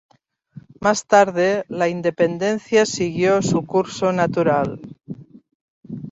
Más tarde, la independencia siguió su curso natural.